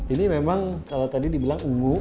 ini memang kalau tadi dibilang ungu